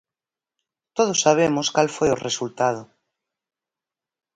Todos sabemos cal foi o resultado.